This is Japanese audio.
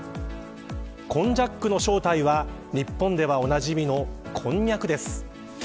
ＫＯＮＪＡＣの正体は日本ではおなじみのこんにゃくです。